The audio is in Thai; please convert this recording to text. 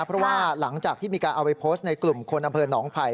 เพราะว่าหลังจากที่มีการเอาไปโพสต์ในกลุ่มคนอำเภอหนองไผ่